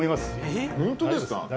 本当ですか？